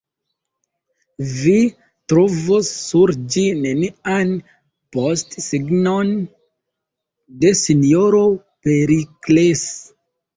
Vi trovos sur ĝi nenian postsignon de S-ro Perikles.